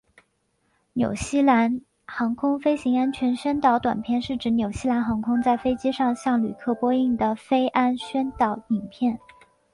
纽西兰航空飞行安全宣导短片是指纽西兰航空在飞机上向旅客播映的飞安宣导影片。